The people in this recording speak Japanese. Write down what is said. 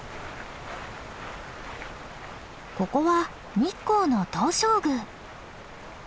ここは日光の東照宮。